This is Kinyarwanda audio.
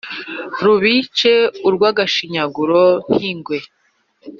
rubice urw’agashinyaguro nk’ingwe.